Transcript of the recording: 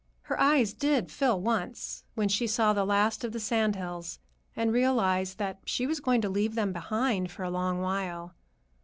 Her eyes did fill once, when she saw the last of the sand hills and realized that she was going to leave them behind for a long while.